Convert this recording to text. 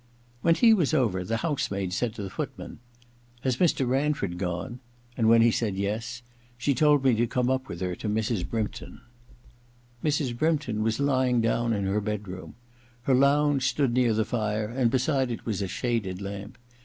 When tea was over the house maid said to the footman :* Has Mr. Ranford gone ?' and when he said yes, she told me to come up with her to Mrs. Brympton. Mrs. Brympton was lying down in her bed room. Her lounge stood near the fire and beside it was a shaded lamp.